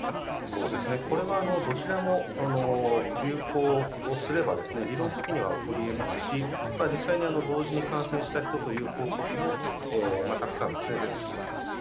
これはどちらも流行をすれば、理論的には起こりえますし、実際に同時に感染した人という報告もたくさん出てきています。